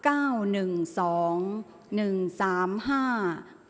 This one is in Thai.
ออกรางวัลที่๖